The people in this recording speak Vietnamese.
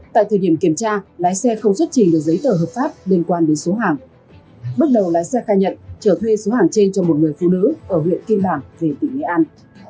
tại thời điểm kiểm tra lái xe không xuất trình được giấy tờ hợp pháp liên quan đến số hàng bước đầu lái xe khai nhận trở thuê số hàng trên cho một người phụ nữ ở huyện kim bảng về tỉnh nghệ an